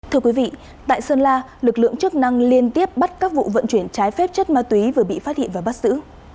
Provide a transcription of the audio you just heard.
thưa quý vị tại sơn la lực lượng chức năng liên tiếp bắt các vụ vận chuyển trái phép chất ma túy vừa bị phát hiện và bắt giữ